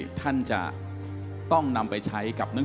เพราะฉะนั้นเราทำกันเนี่ย